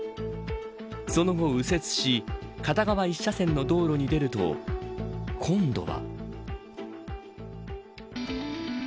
その後右折し片側一車線の道路に出ると今度は。